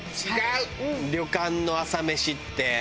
旅館の朝メシって。